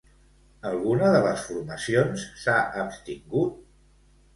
Alguna de les formacions s'ha abstingut?